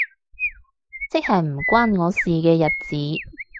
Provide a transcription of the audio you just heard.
即係唔關我事嘅日子